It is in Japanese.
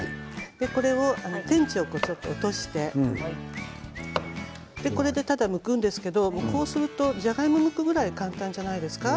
これを、天地をごそっと落としてこれでただむくんですけどこうするとじゃがいもをむくぐらい簡単じゃないですか？